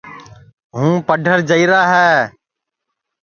ہوں پڈھر جائیرا ہے